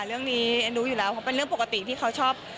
เรื่องนี้แอนรู้อยู่แล้วเพราะเป็นเรื่องปกติที่เขาชอบ